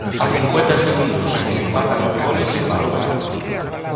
A cincuenta segundos con empate a nove goles balón o ferro.